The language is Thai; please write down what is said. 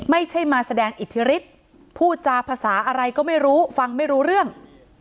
ไม่ใช่มาแสดงอิทธิฤทธิ์พูดจาภาษาอะไรก็ไม่รู้ฟังไม่รู้เรื่อง